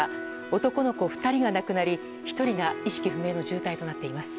男の子２人が亡くなり、１人が意識不明の重体となっています。